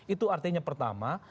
itu artinya pertama